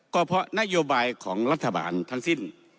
ก็เพราะนโยบายของรัฐบาลทั้งสิ้น